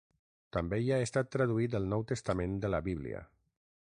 També hi ha estat traduït el Nou Testament de la Bíblia.